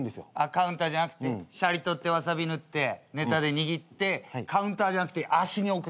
カウンターじゃなくてシャリとってわさび塗ってネタ握ってカウンターじゃなくて足に置くってこと？